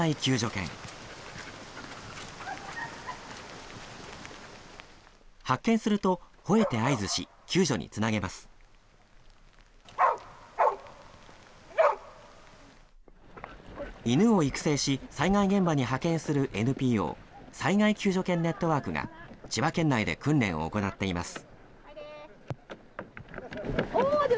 犬を育成し、災害現場に派遣するＮＰＯ災害救助犬ネットワークが、千葉県内で訓練を行っています。